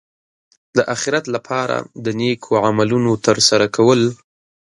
د اخرت لپاره د نېکو عملونو ترسره کول.